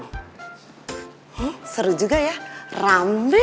hmm seru juga ya rame